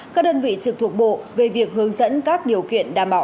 các đơn vị trực thuộc bộ về việc hướng dẫn các điều kiện đảm bảo